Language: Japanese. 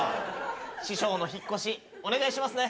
師匠の引っ越しお願いしますね。